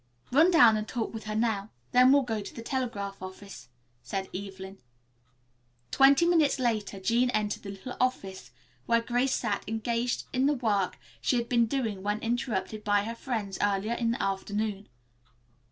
"Run down and talk with her now, then we'll go to the telegraph office," said Evelyn. Twenty minutes later Jean entered the little office where Grace sat engaged in the work she had been doing when interrupted by her friends earlier in the afternoon.